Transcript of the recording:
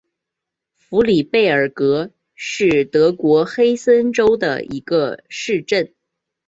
弗里德贝格是德国黑森州的一个市镇。